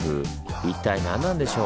一体何なんでしょう？